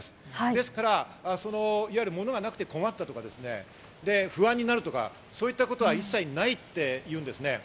ですから、ものはなくて困ってるとか、不安になるとか、そういったことは一切ないっていうんですね。